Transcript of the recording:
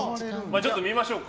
ちょっと見ましょうか。